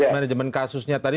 manajemen kasusnya tadi